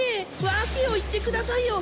訳を言ってくださいよ！